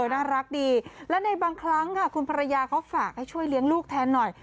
น่ารักดีและในบางครั้งค่ะคุณภรรยาเขาฝากให้ช่วยเลี้ยงลูกแทนหน่อย